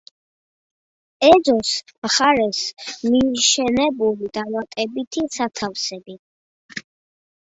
ეზოს მხარეს მიშენებული დამატებითი სათავსები.